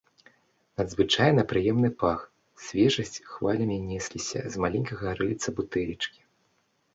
Надзвычайна прыемны пах, свежасць хвалямі несліся з маленькага рыльца бутэлечкі.